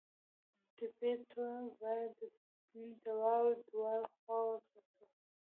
ټپي ته باید د دوا دواړه خواوې وساتو.